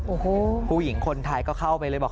โอ้โหผู้หญิงคนไทยก็เข้าไปเลยบอก